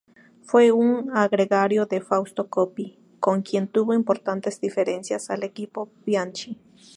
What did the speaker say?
Fue un gregario de Fausto Coppi, con quien tuvo importantes diferencias al equipo Bianchi.